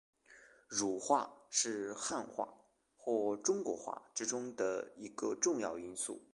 儒化是汉化或中国化之中的一个重要因素。